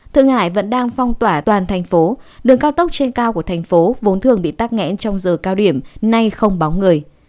thượng hải vẫn đang phong tỏa toàn thành phố đường cao tốc trên cao của thành phố vốn thường bị tắt ngẽn trong giờ cao điểm nay không bóng người